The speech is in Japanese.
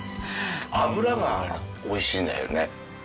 脂がおいしいんだよね。